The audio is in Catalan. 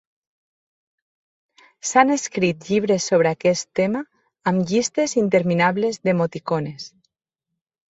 S'han escrit llibres sobre aquest tema, amb llistes interminables d'emoticones.